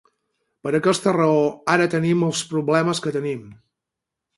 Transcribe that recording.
Per aquesta raó ara tenim els problemes que tenim.